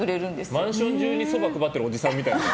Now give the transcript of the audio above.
マンション中にそば配ってるおじさんみたい。